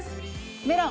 メロン。